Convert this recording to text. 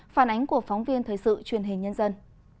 phản ánh của phóng viên thời sự truyền hình nhân dân